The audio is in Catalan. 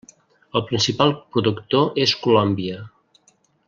El principal productor és Colòmbia.